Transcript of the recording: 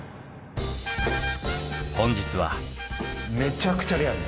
本日は。